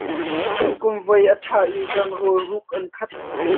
Kan kumvoi a ṭha i kan rawl ruk an khat.